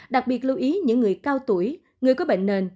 đặc biệt lưu ý những người cao tuổi người có bệnh nền